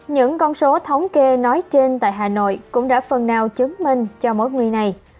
những con số thống kê nói trên tại hà nội cũng đã phần nào chứng minh cho mối nguy này